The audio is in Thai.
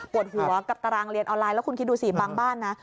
หัวกับตารางเรียนออนไลน์แล้วคุณคิดดูสิบางบ้านนะ